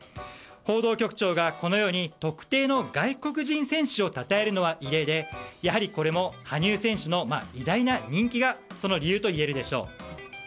報道局長がこのように特定の外国人選手をたたえるのは異例で、やはりこれも羽生選手の偉大な人気がその理由といえるでしょう。